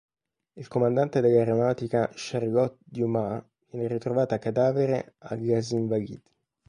Il comandante dell'aeronautica Charlotte Dumas viene ritrovata cadavere a Les Invalides.